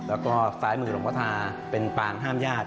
แล้วก็ซ้ายมือหลวงพ่อทาเป็นปางห้ามญาติ